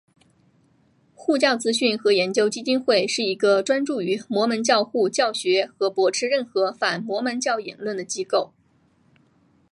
护教资讯和研究基金会是一个专注于摩门教护教学和驳斥任何反摩门教言论的机构。